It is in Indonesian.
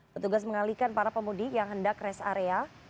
petugas mengalihkan para pemudik yang hendak rest area